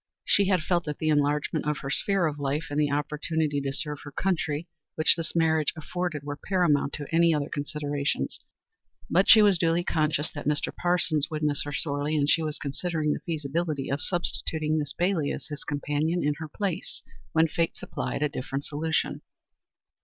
She had felt that the enlargement of her sphere of life and the opportunity to serve her country which this marriage offered were paramount to any other considerations, but she was duly conscious that Mr. Parsons would miss her sorely, and she was considering the feasibility of substituting Miss Bailey as his companion in her place, when fate supplied a different solution.